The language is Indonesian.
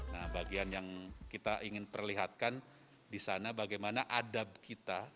nah bagian yang kita ingin perlihatkan di sana bagaimana adab kita